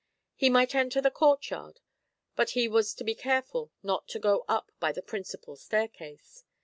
He might enter the courtyard, but he was to be careful not to go up by the principal staircase.